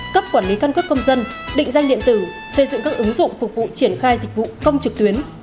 cấp quản lý căn cước công dân định danh điện tử xây dựng các ứng dụng phục vụ triển khai dịch vụ công trực tuyến